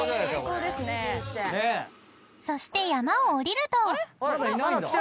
［そして山を下りると］